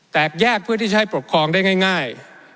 แตกแยกเพื่อที่ใช้ปกครองได้ง่าย